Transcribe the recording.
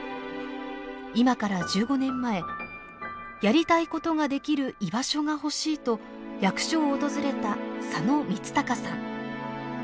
今から１５年前やりたいことができる居場所が欲しいと役所を訪れた佐野光孝さん。